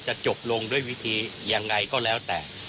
จะจบลงด้วยวิธียังไงก็แล้วแต่